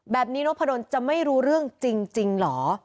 แบบนี้นบผดนจะไม่รู้เรื่องจริงจริงเหรอ